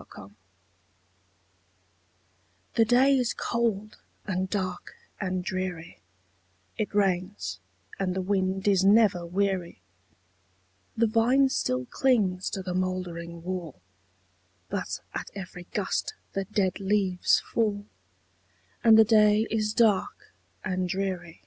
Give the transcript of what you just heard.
THE RAINY DAY The day is cold, and dark, and dreary It rains, and the wind is never weary; The vine still clings to the mouldering wall, But at every gust the dead leaves fall, And the day is dark and dreary.